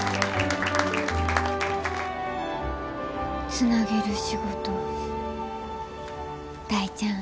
つなげる仕事大ちゃん。